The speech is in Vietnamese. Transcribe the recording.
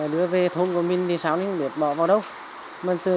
đưa về thôn của mình thì sao mình biết bỏ vào đâu